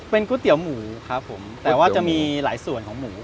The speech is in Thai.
เป็นก๋วยเตี๋ยวหมูครับผมแต่ว่าจะมีหลายส่วนของหมู